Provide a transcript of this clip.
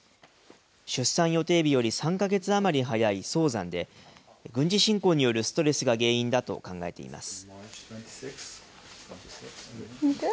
出産予定日より３か月余り早い早産で、軍事侵攻によるストレスが原因だと考えています。